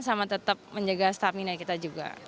sama tetap menjaga stamina kita juga